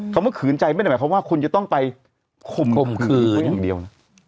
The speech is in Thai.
คำว่าขืนใจไม่ได้หมายความว่าคุณจะต้องไปข่มขืนอย่างเดียวนะ